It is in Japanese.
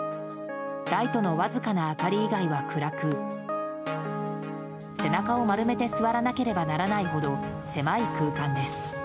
ライトのわずかな明かり以外は暗く背中を丸めて座らなければならないほど狭い空間です。